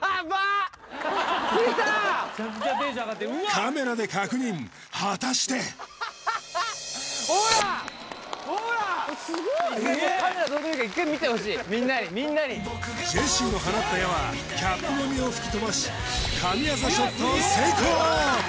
カメラで確認果たしてジェシーの放った矢はキャップのみを吹き飛ばし神業ショット成功！